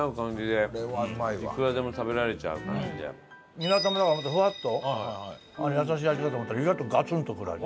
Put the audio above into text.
ニラたまだからもっとフワッと優しい味かと思ったら意外とガツンとくる味。